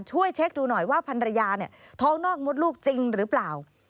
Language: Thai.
ช่วยเช็คดูหน่อยว่าพันรยาเนี่ยท้องนอกมดลูกจริงหรือเปล่า